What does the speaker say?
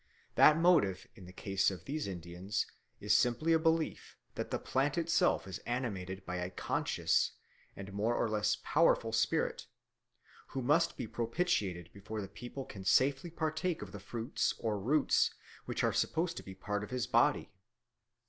That motive in the case of these Indians is simply a belief that the plant itself is animated by a conscious and more or less powerful spirit, who must be propitiated before the people can safely partake of the fruits or roots which are supposed to be part of his body.